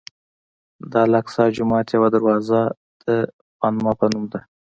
د الاقصی جومات یوه دروازه د غوانمه په نوم ده.